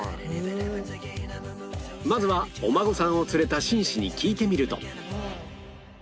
まずはお孫さんを連れた紳士に聞いてみると